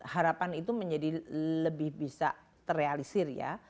harapan itu menjadi lebih bisa terrealisir ya